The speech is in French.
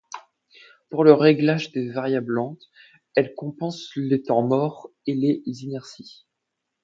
Pour le réglage des variables lentes, elle compense les temps morts et les inerties.